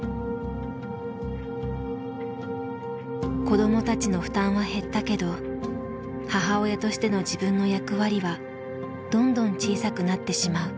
子どもたちの負担は減ったけど母親としての自分の役割はどんどん小さくなってしまう。